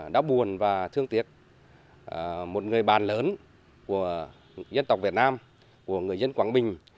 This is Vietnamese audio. đã buồn và thương tiếc một người bạn lớn của dân tộc việt nam của người dân quảng bình